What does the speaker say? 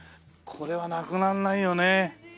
これはなくならないよね。